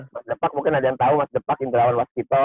mas depak mungkin ada yang tau mas depak intrawan wasito